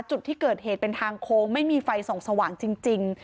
จุดที่เกิดเหตุเป็นทางโค้งไม่มีไฟส่องสว่างจริง